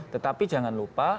tetapi jangan lupa